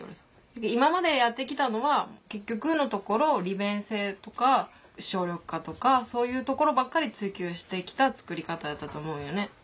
今までやって来たのは結局のところ利便性とか省力化とかそういうところばっかり追求して来た作り方やったと思うんよね。